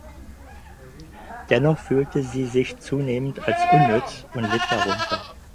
Dennoch fühlte sie sich zunehmend als unnütz und litt darunter.